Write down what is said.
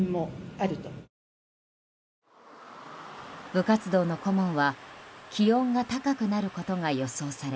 部活動の顧問は気温が高くなることが予想され